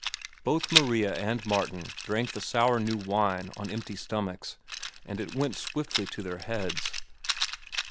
Both Maria and Martin drank the sour new wine on empty stomachs, and it went swiftly to their heads.